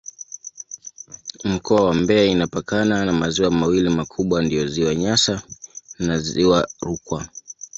Mkoa wa Mbeya inapakana na maziwa mawili makubwa ndiyo Ziwa Nyasa na Ziwa Rukwa.